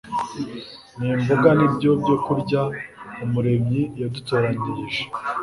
Ni mboga ni byo byokurya Umuremyi yadutoranyirije